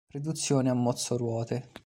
Riduzione mozzo ruote.